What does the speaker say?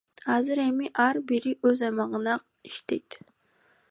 Азыр эми ар бири өз аймагында гана иштейт.